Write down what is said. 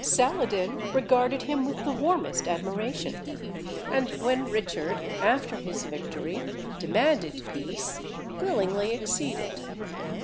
Saladin regarded him with the warmest admiration, and when Richard, after his victory, demanded peace, willingly acceded.